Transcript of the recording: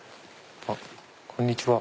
あっこんにちは。